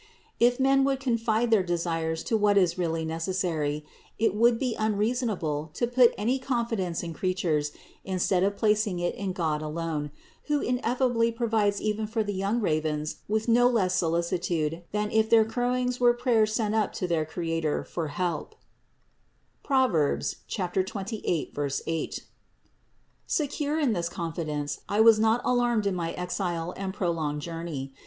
If men would confine their de sires to what is really necessary, it would be unreasonable to put any confidence in creatures instead of placing it in God alone, who ineffably provides even for the young ravens with no less solicitude than if their Growings were prayers sent up to their Creator for help (Prov. 28, 8). Secure in this confidence, I was not alarmed in my exile and prolonged journey.